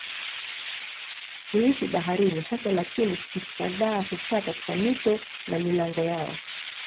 Huishi baharini hasa lakini spishi kadhaa hukaa katika mito na milango yao.